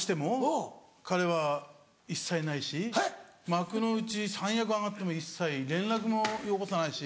幕内三役上がっても一切連絡もよこさないし。